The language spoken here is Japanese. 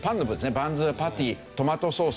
バンズやパティトマトソース